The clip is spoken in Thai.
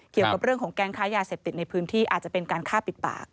เกี่ยวกับเรื่องของแก๊งค้ายาเสพติดในพื้นที่อาจจะเป็นการฆ่าปิดปาก